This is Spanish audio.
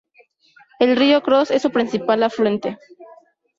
El río Kross es su principal afluente.